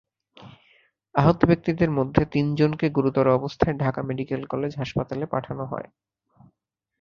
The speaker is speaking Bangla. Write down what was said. আহত ব্যক্তিদের মধ্যে তিনজনকে গুরুতর অবস্থায় ঢাকা মেডিকেল কলেজ হাসপাতালে পাঠানো হয়।